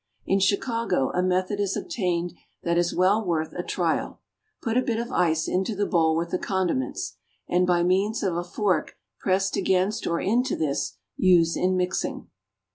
In Chicago a method has obtained that is well worth a trial: Put a bit of ice into the bowl with the condiments, and, by means of a fork pressed against or into this, use in mixing.